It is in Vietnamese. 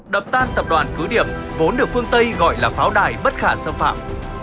đập tan tập đoàn cứ điểm vốn được phương tây gọi là pháo đài bất khả xâm phạm